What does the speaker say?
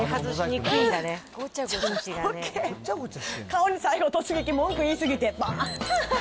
顔に最後、文句言い過ぎて。